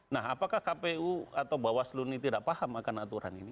nah apakah kpu atau bawaslu ini tidak paham akan aturan ini